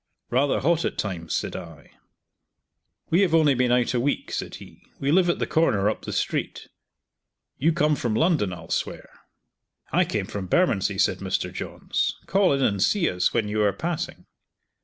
"Rather hot, at times," said I. "We have only been out a week," said he. "We live at the corner up the street. You come from London, I'll swear." "I came from Bermondsey," said Mr. Johns. "Call in and see us when you are passing.